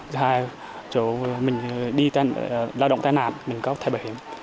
thứ hai là chỗ mình đi lao động tai nạn mình có thể bảo hiểm